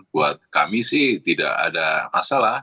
buat kami sih tidak ada masalah